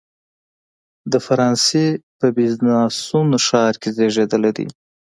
د فرانسې په بیزانسوون ښار کې زیږېدلی دی.